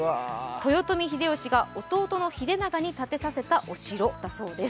豊臣秀吉が弟の秀長に建てさせたお城だそうです。